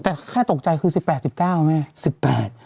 แต่แค่ตกใจคือ๑๘๑๙แม่น้า